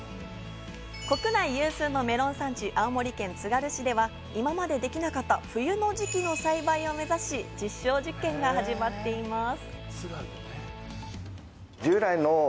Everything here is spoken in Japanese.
国内有数のメロン産地、青森県つがる市では今までできなかった冬の時期の栽培を目指し、実証実験が始まっています。